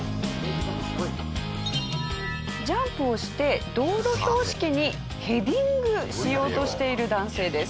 ジャンプをして道路標識にヘディングしようとしている男性です。